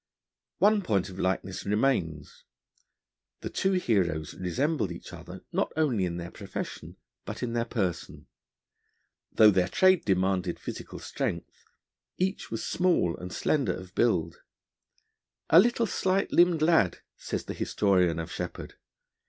One point of likeness remains. The two heroes resembled each other not only in their profession, but in their person. Though their trade demanded physical strength, each was small and slender of build. 'A little, slight limbed lad,' says the historian of Sheppard.